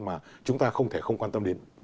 mà chúng ta không thể không quan tâm đến